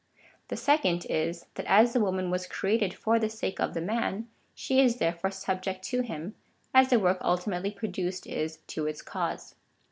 The second is, that as the woman was created for the sake of the man, she is therefore subject to him, as the work ultimately produced is to its cause.